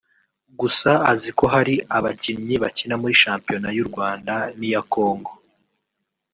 gusa azi ko hari abakinnyi bakina muri shampiyona y’u Rwanda n’iya Congo